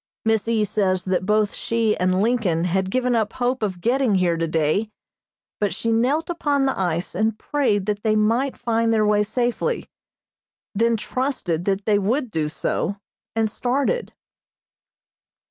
Miss E. says that both she and Lincoln had given up hope of getting here today, but she knelt upon the ice and prayed that they might find their way safely, then trusted that they would do so, and started.